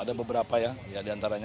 ada beberapa ya diantaranya